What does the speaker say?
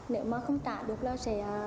nếu mà không trả được là sẽ